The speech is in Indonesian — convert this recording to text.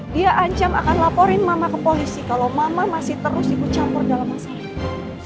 dia ancam akan laporin mama ke polisi kalau mama masih terus ikut campur dalam masalah itu